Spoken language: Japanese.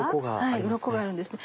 うろこがあるんですね。